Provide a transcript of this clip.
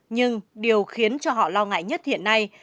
nhưng điều khiến cho họ lo ngại nhất hiện nay